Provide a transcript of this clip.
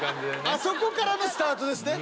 あそこからのスタートですね。